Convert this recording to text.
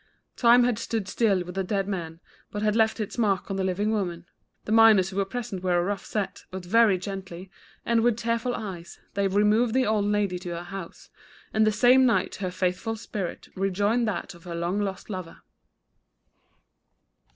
Time had stood still with the dead man, but had left its mark on the living woman. The miners who were present were a rough set, but very gently, and with tearful eyes, they removed the old lady to her house, and the same night her faithful spirit rejoined that of her long lost lover.